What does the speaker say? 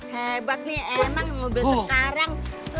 hebat nih enak mobil sekarang